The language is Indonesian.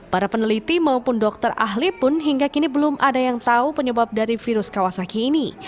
para peneliti maupun dokter ahli pun hingga kini belum ada yang tahu penyebab dari virus kawasaki ini